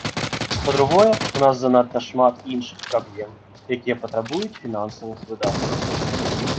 Па-другое, у нас занадта шмат іншых праблем, якія патрабуюць фінансавых выдаткаў.